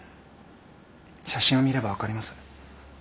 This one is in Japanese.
写真を見れば分かります。